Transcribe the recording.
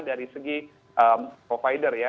dari segi provider ya